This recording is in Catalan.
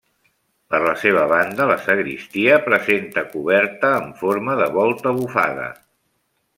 Per la seva banda la sagristia presenta coberta en forma de Volta bufada.